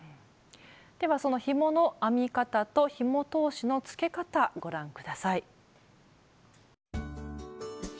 ではそのひもの編み方とひも通しのつけ方ご覧下さい。